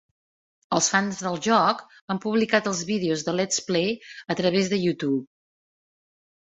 Els fans del joc han publicat els vídeos de Let's Play a través de Youtube.